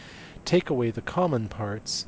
Take away the common parts .